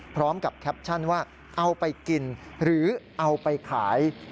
พร้อมกับแคปชั่นว่าเอาไปกินหรือเอาไปขาย